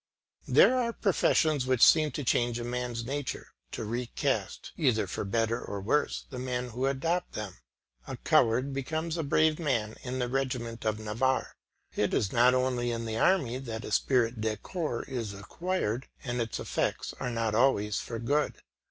There are professions which seem to change a man's nature, to recast, either for better or worse, the men who adopt them. A coward becomes a brave man in the regiment of Navarre. It is not only in the army that esprit de corps is acquired, and its effects are not always for good.